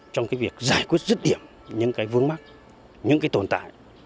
trong cái việc giải quyết dứt điểm những cái vương mắc những cái tồn tại